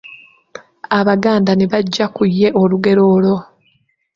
Abaganda ne baggya ku ye olugero olwo.